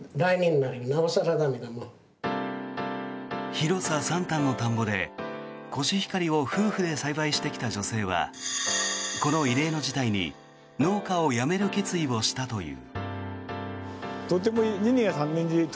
広さ３反の田んぼでコシヒカリを夫婦で栽培してきた女性はこの異例の事態に農家をやめる決意をしたという。